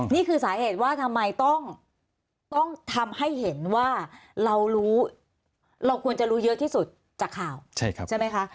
นี่คือสาเหตุว่าทำไมต้องทำให้เห็นว่าเรารู้เราควรจะรู้เยอะที่สุดจากข่าวใช่ไหมคะ